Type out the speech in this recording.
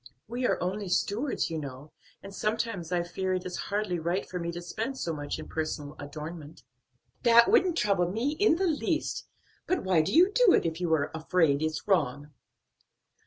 We are only stewards, you know, and sometimes I fear it is hardly right for me to spend so much in personal adornment." "That wouldn't trouble me in the least; but why do you do it, if you are afraid it's wrong?"